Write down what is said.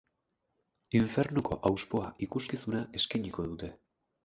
Infernuko hauspoa ikuskizuna eskainiko dute.